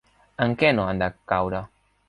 En què no han de caure?